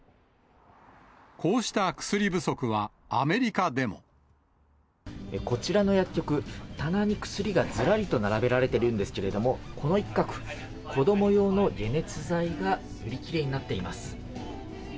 こうした薬不足は、アメリカこちらの薬局、棚に薬がずらりと並べられているんですけれども、この一角、子ども用の解熱剤が売り切れになっています。